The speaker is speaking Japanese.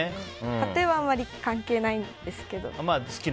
家庭はあまり関係ないんですけど。